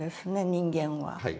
人間は。